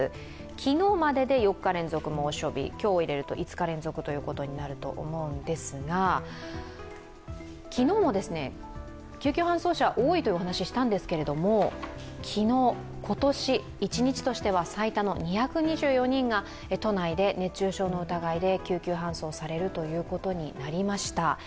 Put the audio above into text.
昨日までで４日連続猛暑日、今日を入れると５日連続ということになると思うんですが昨日も救急搬送車多いという話をしたんですが、昨日、今年一日としては最多の２２４人が都内で熱中症の疑いで救急搬送されるということになりました。